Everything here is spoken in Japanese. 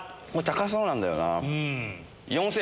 高そうなんだよなぁ。